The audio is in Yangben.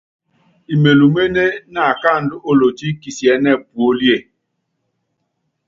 Imelúmené naakáandú olotí kisiɛ́nɛ́ puólíe.